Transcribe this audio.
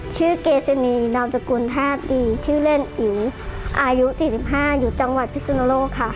ชื่อเกซินีนามสกุลท่าตีชื่อเล่นอิ๋วอายุ๔๕อยู่จังหวัดพิสุนโลกค่ะ